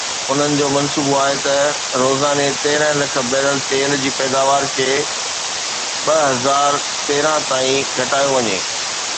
انهن جو منصوبو آهي ته روزاني تيرهن لک بيرل تيل جي پيداوار کي ٻه هزار تيرنهن تائين گهٽايو وڃي.